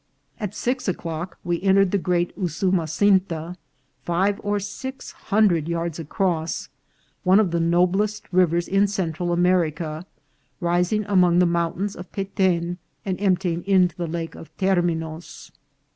At six o'clock we entered the great Usumasinta, five or six hundred yards across, one of the noblest rivers in Central America, rising among the moun tains of Peten, and emptying into the Lake of Terminos.